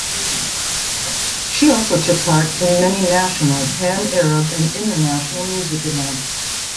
She also took part in many national, pan-Arab and international music events.